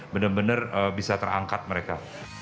benar benar bisa terangkat mereka